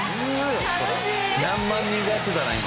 「何万人がやってたな今」